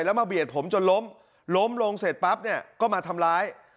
แล้วมาเบียดผมจนล้มล้มลงเสร็จปั๊บเนี่ยก็มาทำร้าย